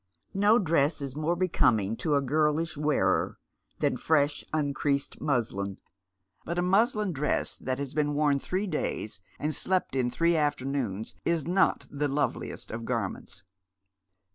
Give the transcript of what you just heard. No dress is more becoming to a girlish wearer than fresh uncreased muslin ; but a muslin dress that has been worn three days and slept in three afternoons is not the loveliest of gamients.